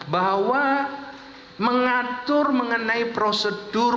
bahwa mengatur mengenai prosedur